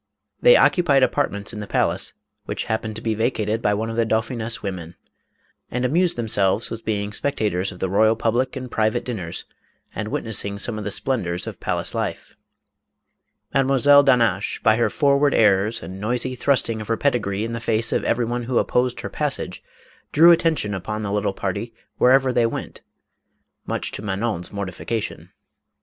They occupied apartments in the palace, which happened to be vacated by one of the dauphiness' women, and amused themselves with being spectators of the royal public and private dinners, and witnessing some of the splendors of palace life. Mademoiselle d'Hannaches, by her forward airs and noisy thrusting of her pedigree in the face of every one 486 MADAME KOLAND. who opposed her passage, drew attention upon the lit tle party, wherever they went, much to Manon's mor tification.